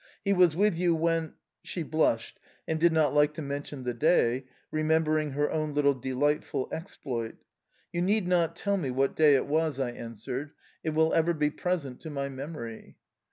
He was with you when'... she blushed, and did not like to mention the day, remembering her own delightful little exploit. 'You need not tell me what day it was,' I answered; 'it will ever be present to my memory!